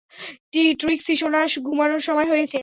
ট্রিক্সি সোনা, ঘুমানোর সময় হয়েছে।